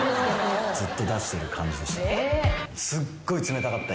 ずっと出してる感じでした。